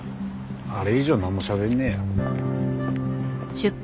あれ以上なんもしゃべんねえよ。